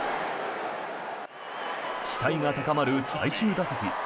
期待が高まる最終打席。